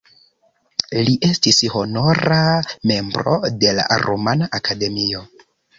Li estis honora membro de la Rumana Akademio.